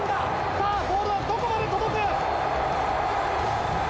さあボールはどこまで届く？